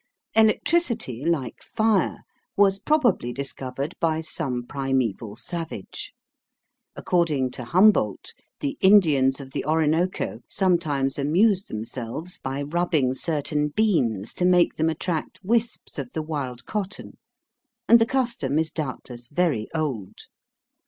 Electricity, like fire, was probably discovered by some primeval savage. According to Humboldt, the Indians of the Orinoco sometimes amuse themselves by rubbing certain beans to make them attract wisps of the wild cotton, and the custom is doubtless very old.